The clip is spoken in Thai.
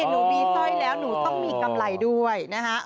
หนูมีสร้อยแล้วหนูต้องมีกำไรด้วยนะฮะ